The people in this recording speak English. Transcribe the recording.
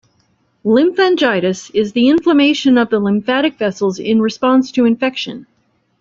Lymphangitis is the inflammation of the lymphatic vessels in response to infection.